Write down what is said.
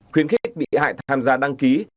khuyến khích bị hại tham gia đăng ký